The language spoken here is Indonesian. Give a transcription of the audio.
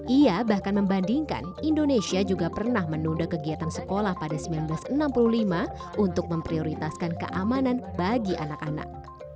ia bahkan membandingkan indonesia juga pernah menunda kegiatan sekolah pada seribu sembilan ratus enam puluh lima untuk memprioritaskan keamanan bagi anak anak